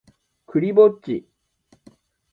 クリぼっち